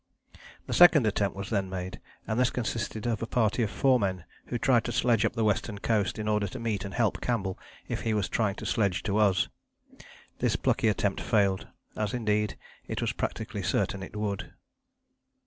The second attempt was then made, and this consisted of a party of four men who tried to sledge up the Western Coast in order to meet and help Campbell if he was trying to sledge to us. This plucky attempt failed, as indeed it was practically certain it would.